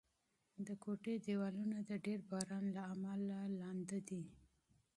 د خونې دېوالونه د ډېر باران له امله نمجن دي.